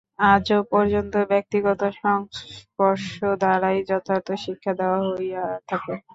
আজও পর্যন্ত ব্যক্তিগত সংস্পর্শ দ্বারাই যথার্থ শিক্ষা দেওয়া হইয়া থাকে।